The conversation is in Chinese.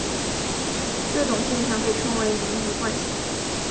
这种现象被称为盈余惯性。